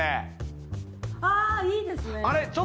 あいいですね！